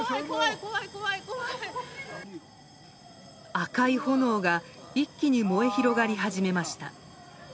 赤い炎が一気に燃え広がり始めました。